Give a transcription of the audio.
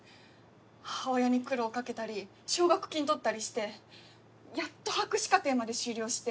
母親に苦労かけたり奨学金取ったりしてやっと博士課程まで修了して。